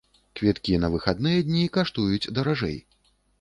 Квіткі на выхадныя дні каштуюць даражэй.